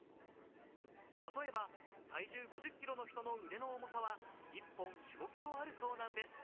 例えば体重５０ｋｇの人の腕の重さは１本４５ｋｇあるそうなんです。